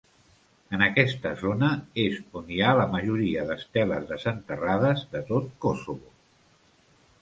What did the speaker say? En aquesta zona és on hi ha la majoria d'esteles desenterrades de tot Kosovo.